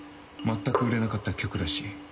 全く売れなかった曲らしい。